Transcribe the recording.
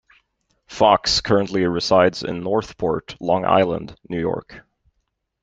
Fox currently resides in Northport, Long Island, New York.